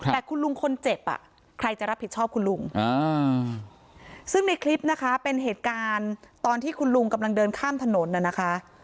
แต่คุณลุงคนเจ็บใครจะรับผิดชอบคุณลุงซึ่งในคลิปนะคะเป็นเหตุการณ์ตอนที่คุณลุงกำลังเดินข้ามถนนน่ะนะคะ